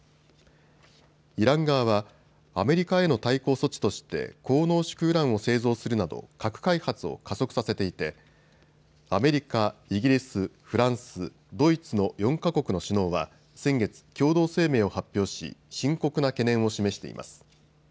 イラン側はアメリカへの対抗措置として高濃縮ウランを製造するなど核開発を加速させていてアメリカ、イギリス、フランス、ドイツの４か国の首脳は先月、共同声明を発表し、深刻な懸念を示しています。